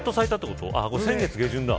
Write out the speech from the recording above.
これ、先月下旬だ。